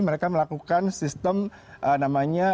mereka melakukan sistem namanya